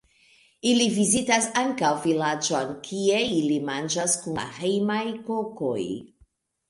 Ili vizitas ankaŭ vilaĝojn kie ili manĝas kun la hejmaj kokoj.